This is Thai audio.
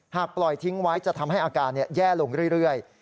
ปล่อยทิ้งไว้จะทำให้อาการแย่ลงเรื่อย